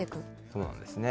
そうなんですね。